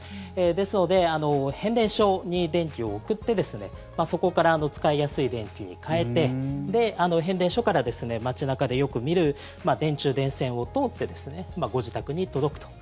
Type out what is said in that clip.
ですので、変電所に電気を送ってそこから使いやすい電気に変えて変電所から街中でよく見る電柱、電線を通ってご自宅に届くと。